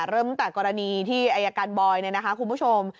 เริ่มตั้งแต่กรณีที่อายการบอยเนี่ยนะคะคุณผู้ชม